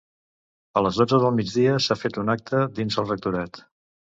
A les dotze del migdia s’ha fet un acte dins el rectorat.